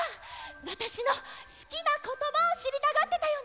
わたしのすきなことばをしりたがってたよね！